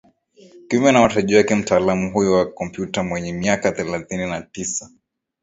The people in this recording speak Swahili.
kinyume na matarajio yake mtaalamu huyo wa komputer mwenye miaka thelathini na tisa